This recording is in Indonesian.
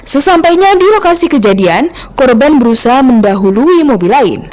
sesampainya di lokasi kejadian korban berusaha mendahului mobil lain